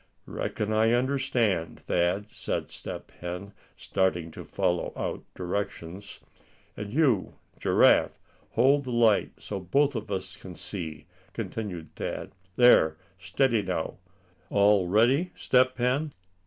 "Reckon I understand, Thad," said Step Hen, starting to follow out directions. "And you, Giraffe, hold the light so both of us can see," continued Thad. "There, steady now. All ready. Step Hen?"